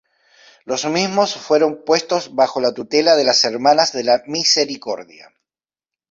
Los mismos fueron puestos bajo la tutela de las Hermanas de la Misericordia.